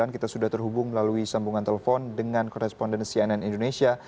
kita sudah terhubung melalui sambungan telepon dengan koresponden cnn indonesia